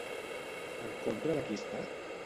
En contra de qui està?